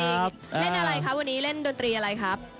เล่นอะไรคะวันนี้เล่นดนตรีอะไรครับ